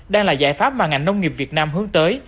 đang là giải pháp mà ngành nông nghiệp việt nam hướng tới